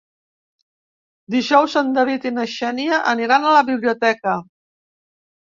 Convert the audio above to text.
Dijous en David i na Xènia aniran a la biblioteca.